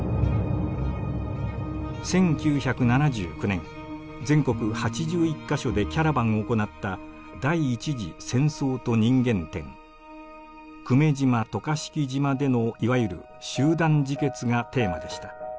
１９７９年全国８１か所でキャラバンを行った久米島渡嘉敷島でのいわゆる「集団自決」がテーマでした。